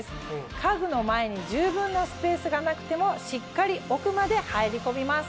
家具の前に十分なスペースがなくてもしっかり奥まで入り込みます。